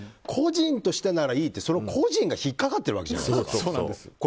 個人としてならいいってその個人が引っかかってるわけじゃないですか。